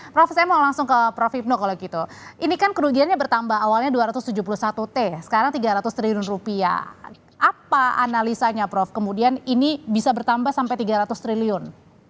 prof saya mau langsung ke prof hipno kalau gitu ini kan kerugiannya bertambah awalnya dua ratus tujuh puluh satu t sekarang tiga ratus triliun rupiah apa analisanya prof kemudian ini bisa bertambah sampai tiga ratus triliun